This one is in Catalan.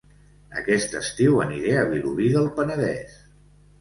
Aquest estiu aniré a Vilobí del Penedès